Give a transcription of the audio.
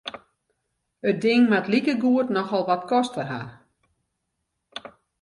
It ding moat likegoed nochal wat koste ha.